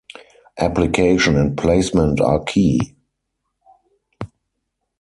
Application and placement are key.